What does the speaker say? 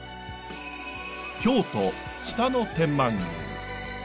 京都北野天満宮。